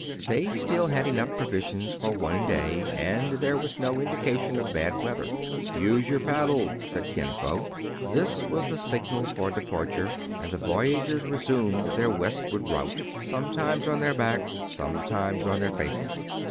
They still had enough provisions for one day, and there was no indica tion of bad weather. " Use your paddle," said Kin Fo. This was the signal for departure; and the voyagers resumed their westward route, — some times on their backs, sometimes on their faces.